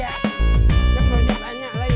ya belunya banyak lagi